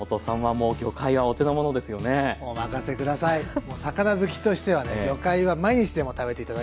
もう魚好きとしてはね魚介は毎日でも食べて頂きたい。